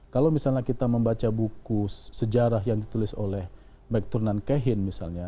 kalau misalnya kita membaca buku sejarah yang ditulis oleh mekturnan kehin misalnya